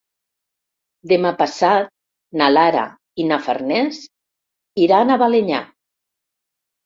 Demà passat na Lara i na Farners iran a Balenyà.